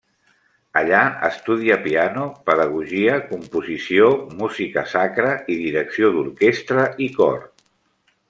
Allà estudia piano, pedagogia, composició, música sacra i direcció d'orquestra i cor.